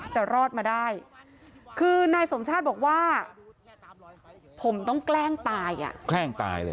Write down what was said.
แต่รอดมาได้คือนายสมชาติบอกว่าผมต้องแกล้งตายอ่ะแกล้งตายเลย